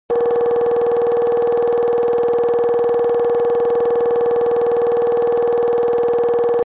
Дадэ, уи закъуэ щхьэ зыбукӀыжрэ, зыгуэр жыпӀамэ, дэ дыбдэӀэпыкъунтэкъэ?